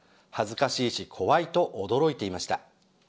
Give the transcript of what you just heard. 恥ずかしいし、怖いと驚いていました。